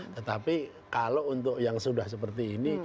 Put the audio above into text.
tetapi kalau untuk yang sudah seperti ini